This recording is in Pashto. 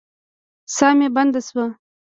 ساه مې بنده شوه.